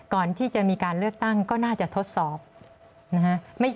ก่อนที่จะมีการเลือกตั้งก็น่าจะทดสอบนะฮะ